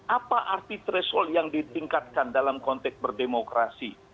apa arti threshold yang ditingkatkan dalam konteks berdemokrasi